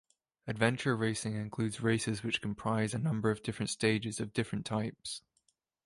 Adventure racing includes races which comprise a number of different stages of different types.